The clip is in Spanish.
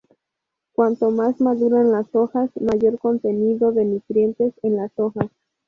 Cuanto más maduran las hojas, mayor contenido de nutrientes en las hojas.